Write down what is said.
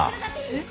えっ？